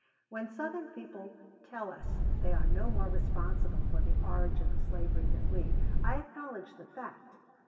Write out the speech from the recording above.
"When Southern people tell us they are no more responsible for the origin of slavery than we, I acknowledge the fact.